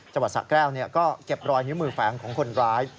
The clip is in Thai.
จังหวัดสะแก้วก็เก็บรอยนิ้วมือแฝงของคนร้าย